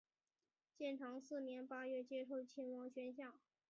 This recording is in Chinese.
建长四年八月接受亲王宣下。